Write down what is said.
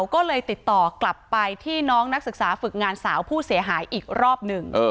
ก็เลยติดต่อกลับไปที่น้องนักศึกษาฝึกงานสาวผู้เสียหายอีกรอบหนึ่ง